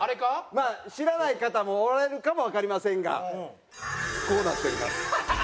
まあ知らない方もおられるかもわかりませんがこうなっております。